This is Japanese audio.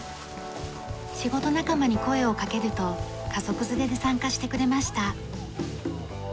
仕事仲間に声を掛けると家族連れで参加してくれました。